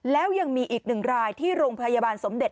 แล้วยังมีอีกหนึ่งรายที่โรงพยาบาลสมเด็จ